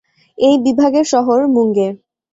এই বিভাগের সদর শহর মুঙ্গের।